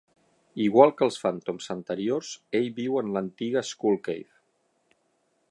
Igual que els Phantoms anteriors, ell viu en l'antiga Skull Cave.